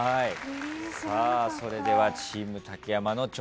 さあそれではチーム竹山の挑戦です。